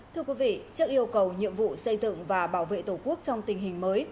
thưa quý vị trước yêu cầu nhiệm vụ xây dựng và bảo vệ tổ quốc trong tình hình mới